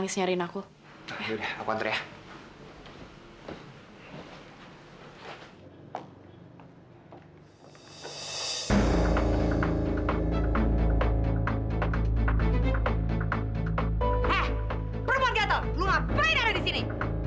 eh perempuan gatal lu ngapain ada disini